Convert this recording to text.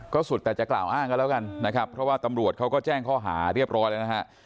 สุดแต่จะกล่าวอ้างกันแล้วกันนะครับเพราะว่าตำรวจเขาก็แจ้งข้อหาเรียบร้อยแล้วนะฮะ